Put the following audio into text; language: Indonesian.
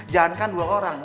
jangan kan dua orang